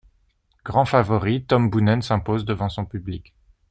Grand favori, Tom Boonen s'impose devant son public.